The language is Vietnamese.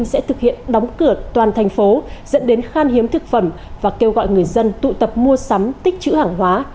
sẽ thực hiện đóng cửa toàn thành phố dẫn đến khan hiếm thực phẩm và kêu gọi người dân tụ tập mua sắm tích chữ hàng hóa